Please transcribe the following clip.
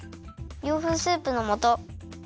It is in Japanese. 洋風スープのもと。